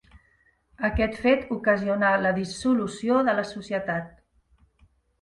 Aquest fet ocasionà la dissolució de la societat.